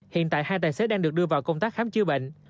hiện tại hai tài xế đang được đưa vào công tác khám chữa bệnh